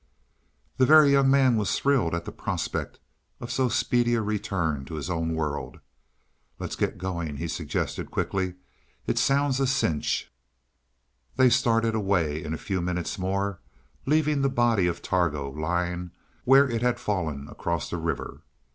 The Very Young Man was thrilled at the prospect of so speedy a return to his own world. "Let's get going," he suggested quickly. "It sounds a cinch." They started away in a few minutes more, leaving the body of Targo lying where it had fallen across the river.